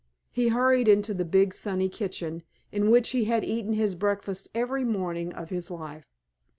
He hurried into the big sunny kitchen, in which he had eaten his breakfast every morning of his life.